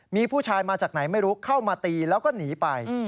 มีผู้ชายมาจากไหนไม่รู้เข้ามาตีแล้วก็หนีไป